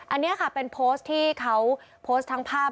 อันนี้ค่ะเป็นโพสต์ที่เขาโพสต์ทั้งภาพ